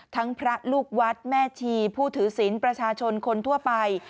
พระลูกวัดแม่ชีผู้ถือศิลป์ประชาชนคนทั่วไป